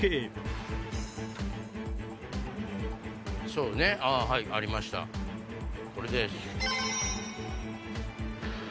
そうねはいありましたこれです。